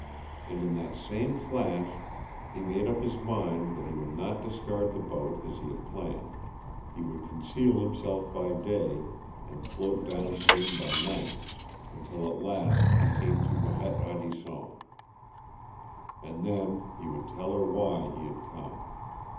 And in that same flash he made up his mind that he would not discard the boat, as he had planned; he would conceal himself by day, and float downstream by night, until at last he came to Marette Radisson. And then he would tell her why he had come.